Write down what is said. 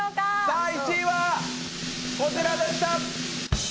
第１位はこちらでした。